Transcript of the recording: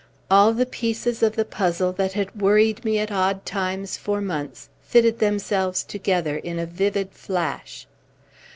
All the pieces of the puzzle that had worried me at odd times for months fitted themselves together in a vivid flash.